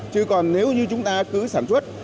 chứ còn nếu như chúng ta cứ sản xuất